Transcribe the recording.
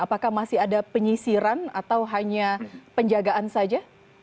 apakah masih ada penyisiran atau hanya penjagaan saja